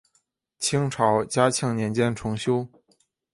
清朝嘉庆年间重修。